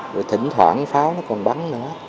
rồi thỉnh thoảng pháo nó còn bắn